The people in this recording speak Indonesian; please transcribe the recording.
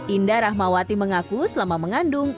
indah rahmawati mengaku selama mengandung